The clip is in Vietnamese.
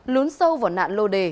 lún sâu vào nạn lô đề